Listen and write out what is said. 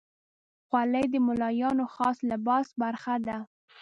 خولۍ د ملایانو خاص لباس برخه ده.